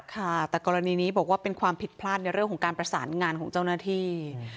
ค่ะแต่กรณีนี้บอกว่าเป็นความผิดพลาดในเรื่องของการประสานงานของเจ้าหน้าที่